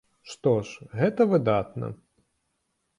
Што ж, гэта выдатна.